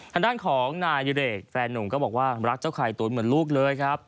ทางด้านของนายดิเรกแฟนหนุ่มก็บอกว่ารักเจ้าไข่ตุ๋นเหมือนลูกเลยครับ